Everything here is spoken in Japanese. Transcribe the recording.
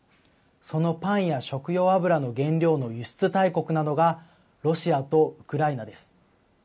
そのパンや食用油の原料の輸出大国なのが、ロシアとウクライナです。